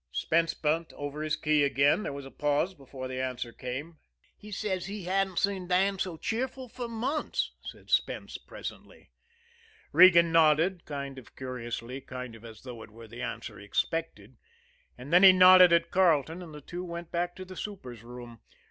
Spence bent over his key again. There was a pause before the answer came. "He says he hadn't seen Dan so cheerful for months," said Spence presently. Regan nodded, kind of curiously, kind of as though it were the answer he expected and then he nodded at Carleton, and the two went back to the super's room.